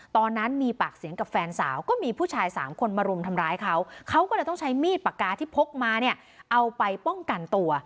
ตอนนั้นมีปากเสียงกับแฟนสาวก็มีผู้ชายสามคนมารุมทำร้ายเขาเขาก็เลยต้องใช้มีดปากกาที่พกมาเนี่ยเอาไปป้องกันตัว